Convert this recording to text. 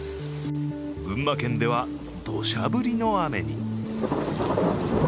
群馬県ではどしゃ降りの雨に。